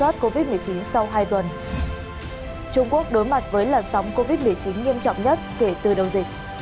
trung quốc đối mặt với làn sóng covid một mươi chín nghiêm trọng nhất kể từ đầu dịch